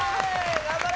頑張れ！